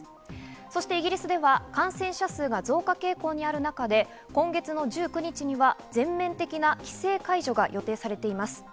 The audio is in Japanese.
そしてイギリスでは感染者数が増加傾向にある中で、今月の１９日には全面的な規制解除が予定されています。